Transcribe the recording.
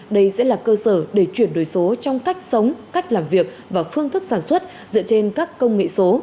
đây sẽ là cơ sở để chuyển đổi số trong cách sống cách làm việc và phương thức sản xuất dựa trên các công nghệ số